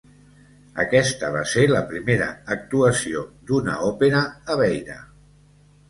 Aquesta va ser la primera actuació d'una òpera a Beira.